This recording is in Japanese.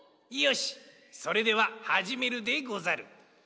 よしそれでははじめるでござる。